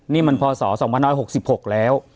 นี่มันพศ๒๖๖แล้ว